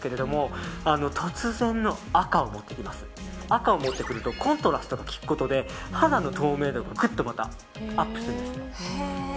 赤を持ってくるとコントラストがきくことで肌の透明度がぐっとまたアップするんですね。